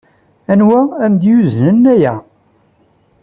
Anwa ay am-d-yuznen aya?